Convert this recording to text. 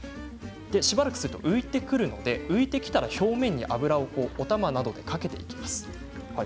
しばらくすると浮いてきますので浮いてきたら表面に油をおたまなどでかけていきます。